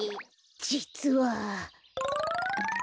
じつは。